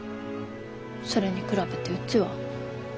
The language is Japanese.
それに比べてうちは。